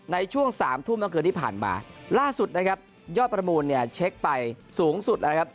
ในช่วงสามทุ่มเมื่อคืนที่ผ่านมาล่าสุดนะครับยอดประมูลเนี่ยเช็คไปสูงสุดนะครับ